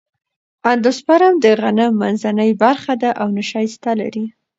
اندوسپرم د غنم منځنۍ برخه ده او نشایسته لري.